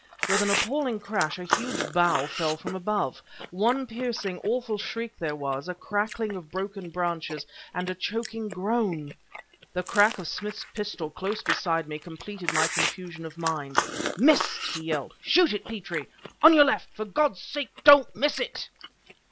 With an appalling crash, a huge bough fell from above. One piercing, awful shriek there was, a crackling of broken branches, and a choking groan... The crack of Smith's pistol close beside me completed my confusion of mind. "Missed!" he yelled. "Shoot it, Petrie! On your left! For God's sake don't miss it!"